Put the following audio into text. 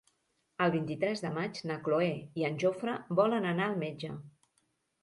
El vint-i-tres de maig na Cloè i en Jofre volen anar al metge.